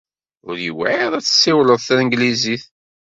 Ur yewɛiṛ ad tessiwleḍ tanglizit.